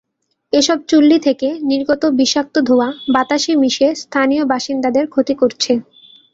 এসব চুল্লি থেকে নির্গত বিষাক্ত ধোঁয়া বাতাসে মিশে স্থানীয় বাসিন্দাদের ক্ষতি করছে।